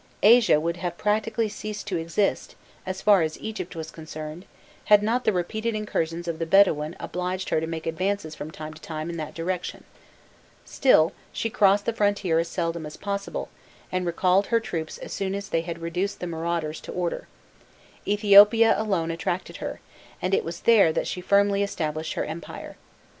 Asia would have practically ceased to exist, as far as Egypt was concerned, had not the repeated incursions of the Bedouin obliged her to make advances from time to time in that direction; still she crossed the frontier as seldom as possible, and recalled her troops as soon as they had reduced the marauders to order: Ethiopia alone attracted her, and it was there that she firmly established her empire.